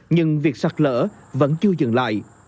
nhưng việc sạt lở vẫn chưa dừng lại